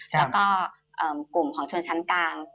แล้วก็กลุ่มของชนชั้นกลาง